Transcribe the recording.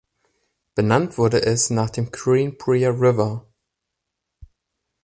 Benannt wurde es nach dem Greenbrier River.